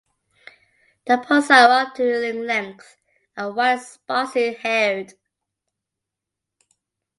The pods are up to in length and wide and sparsely haired.